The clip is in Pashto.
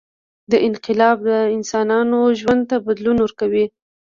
• دا انقلاب د انسانانو ژوند ته بدلون ورکړ.